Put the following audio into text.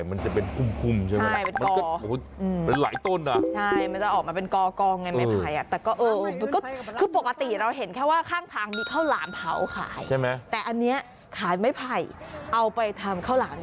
เอาไปทำข้าวหลามตีนึง